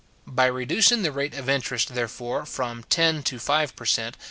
By reducing the rate of interest, therefore, from ten to five per cent.